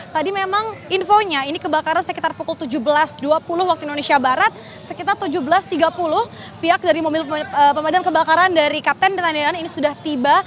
tadi memang infonya ini kebakaran sekitar pukul tujuh belas dua puluh waktu indonesia barat sekitar tujuh belas tiga puluh pihak dari mobil pemadam kebakaran dari kapten dan tanian ini sudah tiba